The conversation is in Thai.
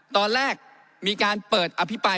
ตอนแรกมีการเปิดอภิปราย